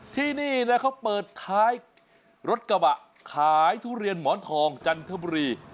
ที่นี่นะเขาเปิดท้ายรถกระบะขายทุเรียนหมอนทองจันทบุรี